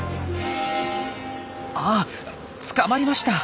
あっ捕まりました。